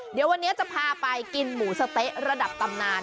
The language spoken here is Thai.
เดี๋ยววันนี้จะพาไปกินหมูสะเต๊ะระดับตำนาน